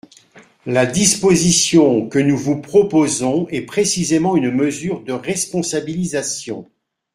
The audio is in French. La disposition que nous vous proposons est précisément une mesure de responsabilisation.